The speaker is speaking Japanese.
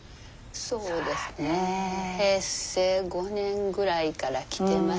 そうですね平成５年ぐらいから来てますかね。